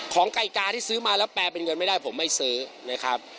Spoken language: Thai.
ไก่กาที่ซื้อมาแล้วแปลเป็นเงินไม่ได้ผมไม่ซื้อนะครับ